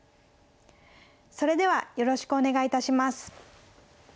それではよろしくお願い致します。